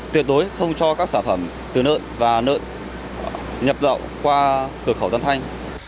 tuyệt đối không cho các sản phẩm từ lợn và lợn nhập lậu qua cửa khẩu tân thanh